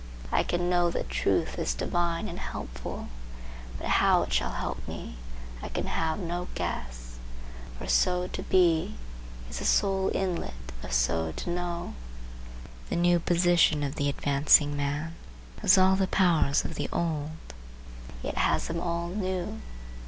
I can know that truth is divine and helpful; but how it shall help me I can have no guess, for so to be is the sole inlet of so to know. The new position of the advancing man has all the powers of the old, yet has them all new.